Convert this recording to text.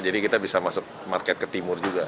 jadi kita bisa masuk market ke timur juga